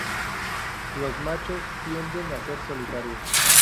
Los machos tienden a ser solitarios.